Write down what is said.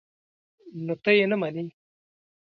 _نو ته يې نه منې؟